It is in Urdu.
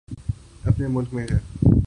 اپنے ملک میں ہے۔